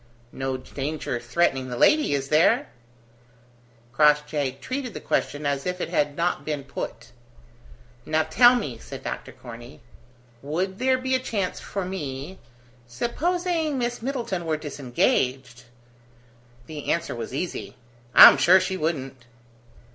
"No danger threatening the lady, is there?" Crossjay treated the question as if it had not been put. "Now, tell me," said Dr. Corney, "would there be a chance for me, supposing Miss Middleton were disengaged?" The answer was easy. "I'm sure she wouldn't."